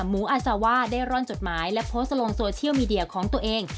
หมูอาซาว่าได้ร่อนจดหมายและโพสต์ลงโซเชียลมีเดียของตัวเอง